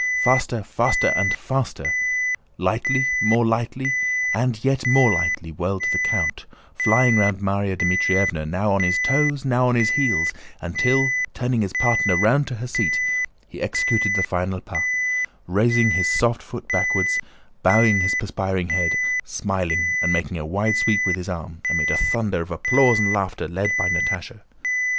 Faster, faster, and faster; lightly, more lightly, and yet more lightly whirled the count, flying round Márya Dmítrievna, now on his toes, now on his heels; until, turning his partner round to her seat, he executed the final pas, raising his soft foot backwards, bowing his perspiring head, smiling and making a wide sweep with his arm, amid a thunder of applause and laughter led by Natásha.